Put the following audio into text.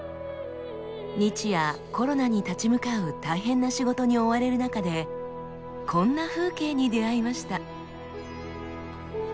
日夜コロナに立ち向かう大変な仕事に追われる中でこんな風景に出会いました。